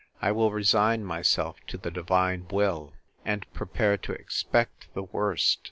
I will resign myself to the Divine will, and prepare to expect the worst.